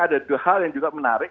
ada dua hal yang juga menarik